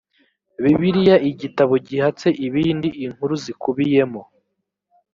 bibiliya igitabo gihatse ibindi inkuru zikubiyemo